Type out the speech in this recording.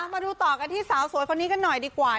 มาดูต่อกันที่สาวสวยคนนี้กันหน่อยดีกว่า